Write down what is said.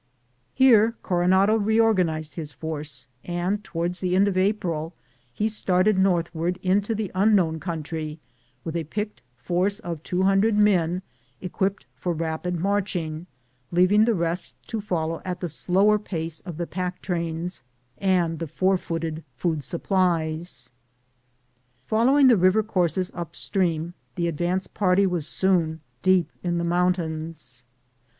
Here Coronado reorganized his force and, toward the end of April, he started north ward into the unknown country with a picked force of two hundred men equipped for rapid marching, leaving the rest to follow at the slower pace of the pack trains and the four footed food supplies. Following the river courses up stream, the advance party was soon deep in the mountains.